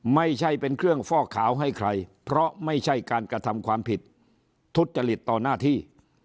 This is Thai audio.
ไม่ใช่เป็นเครื่องฟอกขาวให้ใครเพราะไม่ใช่การกระทำความผิดทุจริตต่อหน้าที่